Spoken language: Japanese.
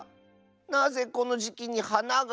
なぜこのじきにはなが。